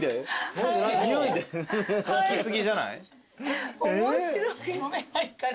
効き過ぎじゃない？